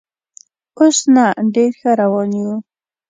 اوس نه، ډېر ښه روان یو.